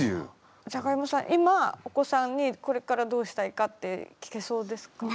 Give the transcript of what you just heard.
今お子さんにこれからどうしたいかって聞けそうですか？